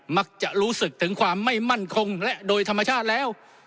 มักจะรู้สึกถึงความไม่มั่นคงและโดยธรรมชาติแล้ว